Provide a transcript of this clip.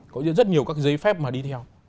có rất nhiều các giấy phép mà đi theo